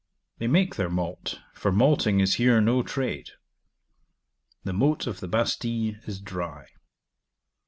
They make their malt, for malting is here no trade. The moat of the Bastile is dry.